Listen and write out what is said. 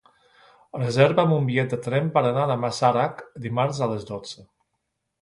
Reserva'm un bitllet de tren per anar a Masarac dimarts a les dotze.